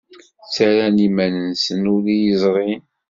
Ttarran iman-nsen ur iyi-ẓrin.